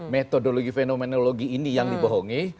metodologi fenomenologi ini yang dibohongi